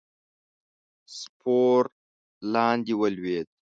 سپور لاندې ولوېد.